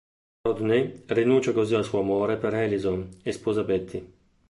Rodney rinuncia così al suo amore per Allison e sposa Betty.